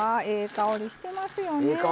ええ香りしてますよね？